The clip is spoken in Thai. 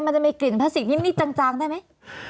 มันจะมีกลิ่นพลาสติกนิดจางได้ไหม